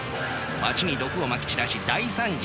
街に毒をまき散らし大惨事に。